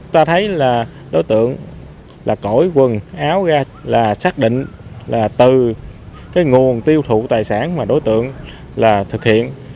ta thấy là đối tượng cổi quần áo ra là xác định từ nguồn tiêu thụ tài sản mà đối tượng thực hiện